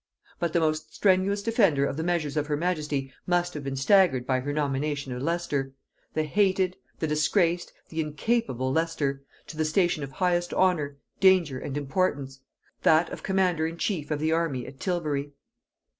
But the most strenuous defender of the measures of her majesty must have been staggered by her nomination of Leicester, the hated, the disgraced, the incapable Leicester, to the station of highest honor, danger, and importance; that of commander in chief of the army at Tilbury.